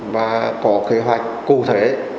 và có kế hoạch cụ thể